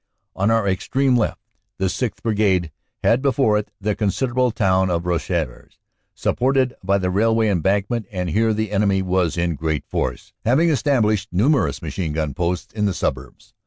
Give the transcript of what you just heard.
On our extreme left the 6th. Brigade had before it the con siderable town of Rosieres, supported by the railway embank ment, and here the enemy was in great force, having estab lished numerous machine gun posts in the suburbs.